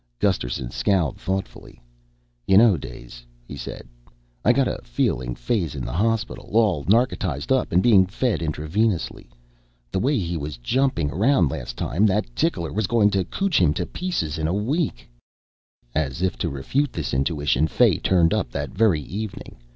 Gusterson scowled thoughtfully. "You know, Daze," he said, "I got a feeling Fay's in the hospital, all narcotized up and being fed intravenously. The way he was jumping around last time, that tickler was going to cootch him to pieces in a week." As if to refute this intuition, Fay turned up that very evening.